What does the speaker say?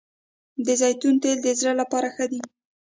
د زیتون تېل د زړه لپاره ښه دي